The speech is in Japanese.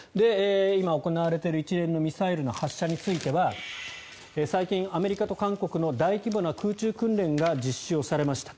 今行われている一連のミサイルの発射については最近、アメリカと韓国の大規模な空中訓練が実施されました。